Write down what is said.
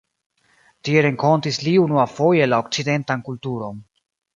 Tie renkontis li unuafoje la okcidentan kulturon.